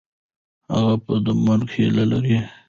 هغه به د مرګ هیله لري.